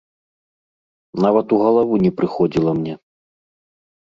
Нават у галаву не прыходзіла мне.